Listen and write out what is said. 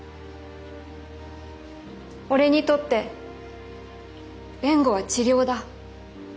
「俺にとって弁護は治療だ。